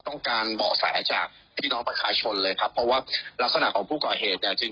ต้องการเบาะแสจากพี่น้องประชาชนเลยครับเพราะว่ารักษณะของผู้ก่อเหตุเนี่ยจริง